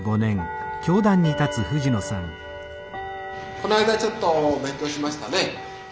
この間ちょっと勉強しましたね。